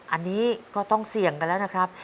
อันนี้ก็ต้องเสี่ยงกันแล้วนะครับ